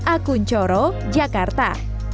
akun choro jakarta